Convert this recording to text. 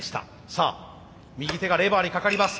さあ右手がレバーにかかります。